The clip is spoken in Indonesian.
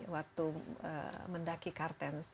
waktu mendaki kartens